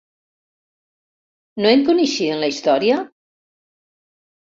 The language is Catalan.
No en coneixien la història?